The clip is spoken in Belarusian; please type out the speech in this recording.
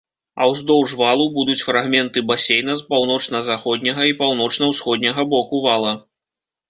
А ўздоўж валу будуць фрагменты басейна з паўночна-заходняга і паўночна-ўсходняга боку вала.